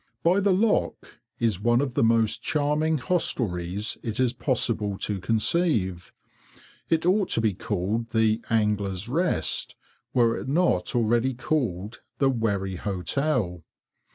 By the lock is one of the most charming hostelries it is possible to conceive. It ought to be called the "Angler's Rest," were it not already called the "Wherry Hotel."